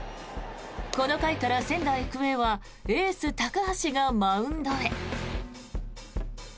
この回から仙台育英はエース、高橋がマウンドへ。